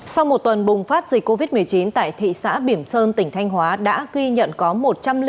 sau một tuần bùng phát dịch covid một mươi chín tại thị xã biểm sơn tỉnh thanh hóa đã ghi nhận có một trăm linh ca